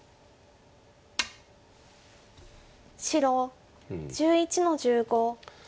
白１１の十五。